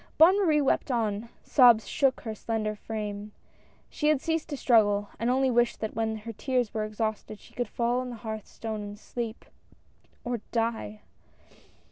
Bonne Marie wept on ; sobs shook her slender frame. She had ceased to struggle, and only wished that when her tears were exhausted she could fall on the hearth stone and sleep, or die